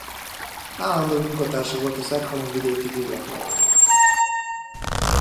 Állandó munkatársa volt a Szeghalom-vidéki Hírlapnak.